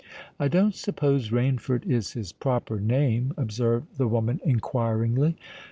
"I don't suppose Rainford is his proper name?" observed the woman inquiringly.